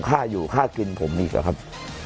ค่าอยู่ค่ากินผมมีก็ครับ